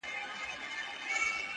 • له مخلوق څخه ګوښه تر ښار دباندي -